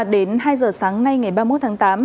đến hai giờ sáng nay ngày ba mươi một tháng tám